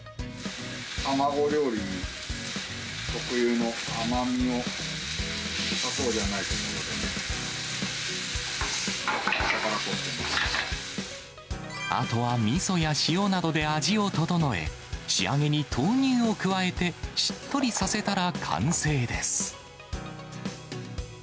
卵料理特有の甘みを、砂糖じゃなくて、あとはみそや塩などで味を調え、仕上げに豆乳を加えてしっとりさせたら完成です。